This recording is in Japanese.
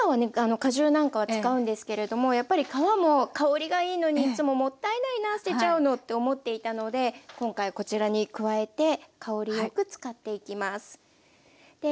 果汁なんかは使うんですけれどもやっぱり皮も香りがいいのにいつももったいないなあ捨てちゃうのって思っていたので今回こちらに加えて香りよく使っていきます。